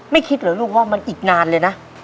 คิดเหรอลูกว่ามันอีกนานเลยนะ